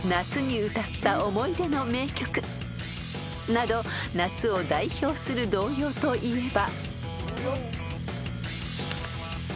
［など夏を代表する童謡といえば］